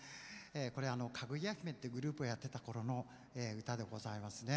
これはかぐや姫というグループをやっていたころの歌でございます。